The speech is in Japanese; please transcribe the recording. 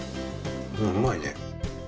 うまいね。